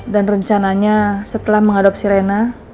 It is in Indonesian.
dan rencananya setelah mengadopsi reina